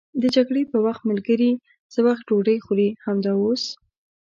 د جګړې د وخت ملګري څه وخت ډوډۍ خوري؟ همدا اوس.